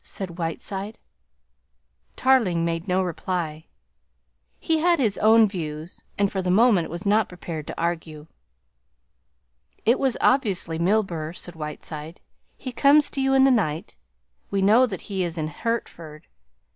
said Whiteside. Tarling made no reply. He had his own views and for the moment was not prepared to argue. "It was obviously Milburgh," said Whiteside. "He comes to you in the night we know that he is in Hertford.